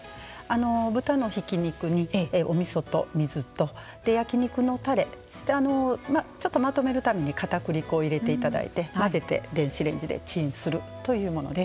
豚のひき肉におみそと水と焼き肉のたれ、そしてちょっとまとめるために片栗粉を入れていただいて混ぜて電子レンジでチンするというものです。